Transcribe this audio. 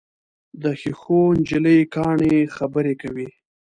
د ښیښو نجلۍ کاڼي خبرې کوي.